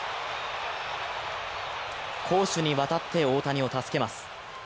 攻守にわたって大谷を助けます。